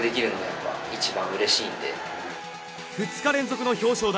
２日連続の表彰台。